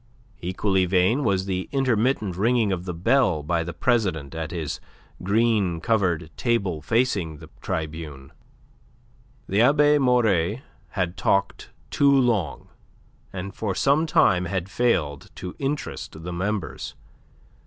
Equally vain was the intermittent ringing of the bell by the president at his green covered table facing the tribune. The Abbe Maury had talked too long, and for some time had failed to interest the members.